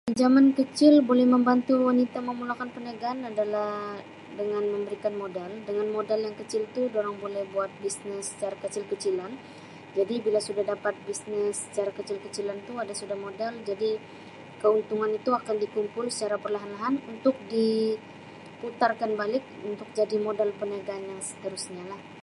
Pinjaman kecil boleh membantu wanita memulakan perniagaan adalah dengan memberikan modal, dengan modal yang kecil tu dorang boleh buat bisnes secara kecil-kecilan jadi bila sudah dapat bisnes secara kecil-kecilan tu ada sudah modal jadi keuntungan itu akan dikumpul secara perlahan-lahan untuk diputarkan balik untuk jadi modal perniagaan yang seterusnya lah.